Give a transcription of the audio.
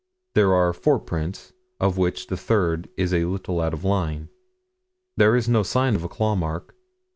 There are four prints, of which the third is a little out of line. There is no sign of a claw mark.